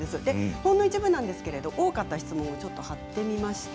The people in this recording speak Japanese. ほんの一部ですが多かった質問を貼ってみました。